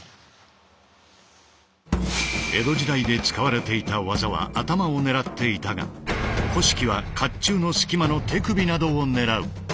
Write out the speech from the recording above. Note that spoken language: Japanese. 江戸時代で使われていた技は頭を狙っていたが古式は甲冑の隙間の手首などを狙う。